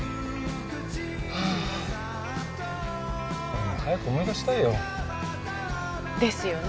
はあ俺も早く思い出したいよ。ですよね。